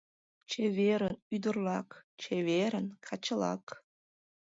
Чеверын, ӱдырлак, чеверын, качылак